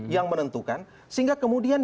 yang menentukan sehingga kemudian